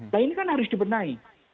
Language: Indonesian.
nah ini kan harus dibenahi